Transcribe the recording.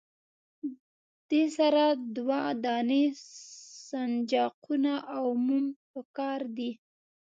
دې سره دوه دانې سنجاقونه او موم پکار دي.